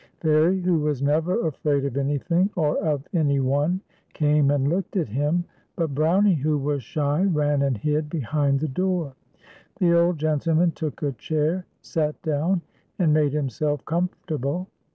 Fairie, who was never afraid of anything, or of any one, came and looked at him ; but Brownie, who was shy, ran and hid behind the door. The old gentleman took a chair, sat down, and made himself comfortable.